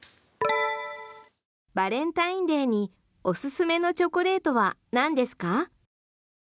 バレンタインデーにおすすめのチョコレートはなんですか？